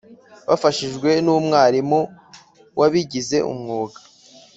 bafashijwe n’umwarimuwabigize umwuga